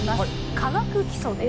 「化学基礎」です。